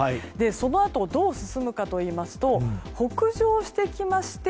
そのあとどう進むかといいますと北上してきまして